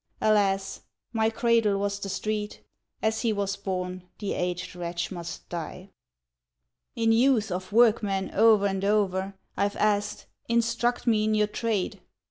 Alas! my cradle was the street! As he was born the aged wretch must die. In youth, of workmen, o'er and o'er, I've asked, "Instruct me in your trade."